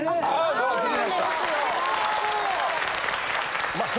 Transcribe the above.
そうなんですよ。